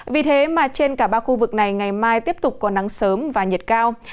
vì thế mà trên cả ba khu vực này ngày mai tiếp tục có nắng sớm và nhiệt cao